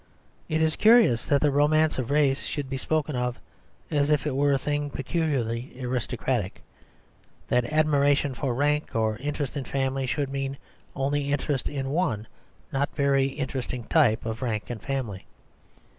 It is curious that the romance of race should be spoken of as if it were a thing peculiarly aristocratic; that admiration for rank, or interest in family, should mean only interest in one not very interesting type of rank and family.